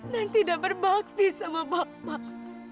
dan tidak berbakti sama bapak